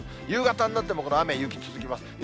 夕方になっても、この雨、雪、続きます。